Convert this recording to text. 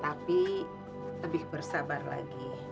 tapi lebih bersabar lagi